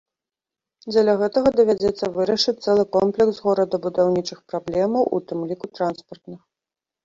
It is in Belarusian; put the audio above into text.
Дзеля гэтага давядзецца вырашыць цэлы комплекс горадабудаўнічых праблемаў, у тым ліку транспартных.